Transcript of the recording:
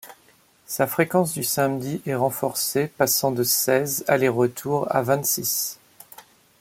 Sa fréquence du samedi est renforcée passant de seize allers-retours à vingt-six.